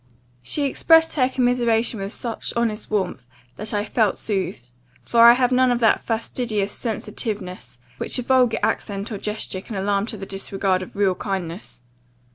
"She expressed her commiseration with such honest warmth, that I felt soothed; for I have none of that fastidious sensitiveness, which a vulgar accent or gesture can alarm to the disregard of real kindness.